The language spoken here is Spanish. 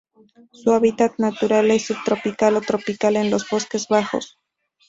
Su hábitat natural es subtropical o tropical en los bosques bajos.